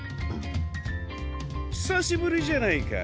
ひさしぶりじゃないか。